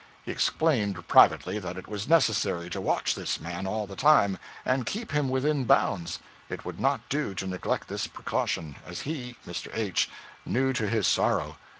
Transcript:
He explained privately that it was necessary to watch this man all the time, and keep him within bounds; it would not do to neglect this precaution, as he, Mr. H., 'knew to his sorrow.'